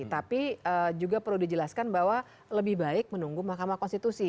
tapi juga perlu dijelaskan bahwa lebih baik menunggu mahkamah konstitusi